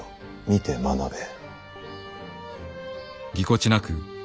見て学べ。